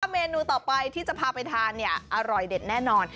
เมนูต่อไปที่จะพาไปทานเนี่ยอร่อยเด็ดแน่นอน